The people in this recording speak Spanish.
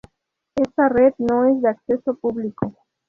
Esta red no es de acceso público.